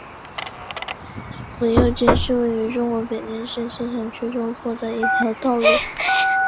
府右街是位于中国北京市西城区中部的一条道路。